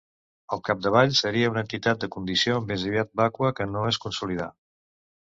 Al capdavall, seria una entitat de condició més aviat vàcua, que no es consolidà.